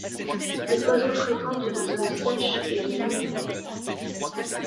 Cet oiseau fréquente des zones sèches et de mangrove.